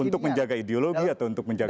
untuk menjaga ideologi atau untuk menjaga